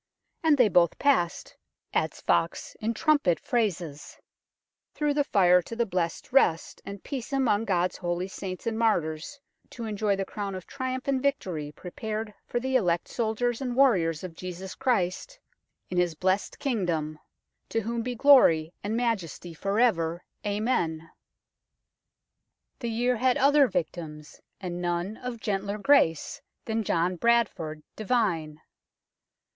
" And they both passed," adds Foxe, in trumpet phrases, " through the fire to the blessed rest and peace among God's holy saints and martyrs, to enjoy the crown of triumph and victory prepared for the elect soldiers and warriors of Christ Jesus in his THE FIRES OF SMITHFIELD 183 blessed kingdom. To whom be glory and majesty for ever. Amen !" The year had other victims, and none of gentler grace than John Bradford, divine.